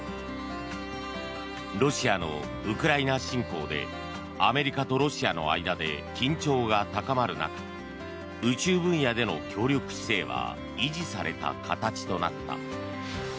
ロシアのウクライナ侵攻でアメリカとロシアの間で緊張が高まる中宇宙分野での協力姿勢は維持された形となった。